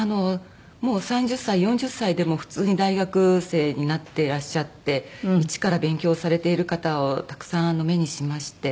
もう３０歳４０歳でも普通に大学生になってらっしゃって一から勉強されている方をたくさん目にしまして。